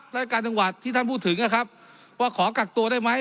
ราชการจังหวัดที่ท่านพูดถึงนะครับว่าขอกักตัวได้ไหม